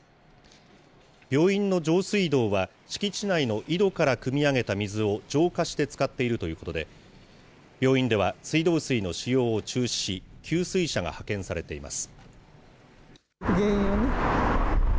病院の上水道は敷地内の井戸からくみ上げた水を浄化して使っているということで、病院では水道水の使用を中止し、給水車が派遣されています。